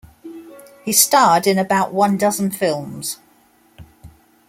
He starred in about one dozen films.